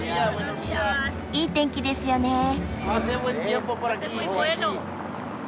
いい天気ですよね。